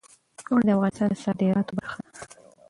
اوړي د افغانستان د صادراتو برخه ده.